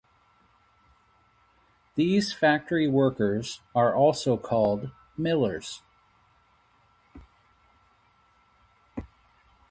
These factory workers are also called millers.